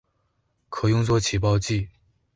可用作起爆剂。